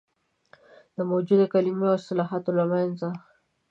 د موجودو کلمو او اصطلاحاتو له منځه.